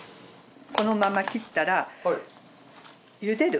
このまま切ったら茹でる。